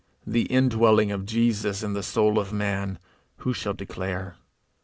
The indwelling of Jesus in the soul of man, who shall declare!